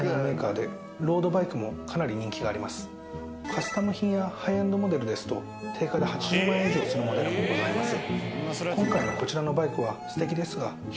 カスタム品やハイエンドモデルですと定価で８０万円以上するモデルもございます。